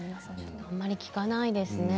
あまり聞かないですね。